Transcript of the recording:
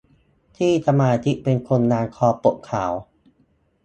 ที่สมาชิกเป็นคนงานคอปกขาว